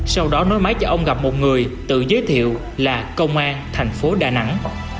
sau đó nói máy cho ông gặp một người tự giới thiệu là công an tp đà nẵng